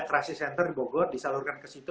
crisis center di bogor disalurkan ke situ